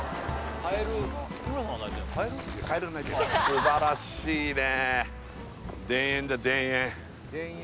素晴らしいね